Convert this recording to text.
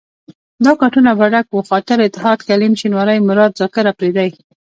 دا کټونه به ډک وو، خاطر، اتحاد، کلیم شینواری، مراد، زاکر اپرېدی.